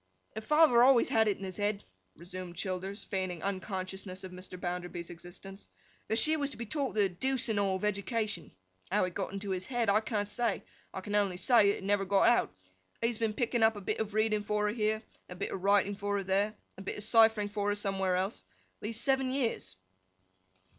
'Her father always had it in his head,' resumed Childers, feigning unconsciousness of Mr. Bounderby's existence, 'that she was to be taught the deuce and all of education. How it got into his head, I can't say; I can only say that it never got out. He has been picking up a bit of reading for her, here—and a bit of writing for her, there—and a bit of ciphering for her, somewhere else—these seven years.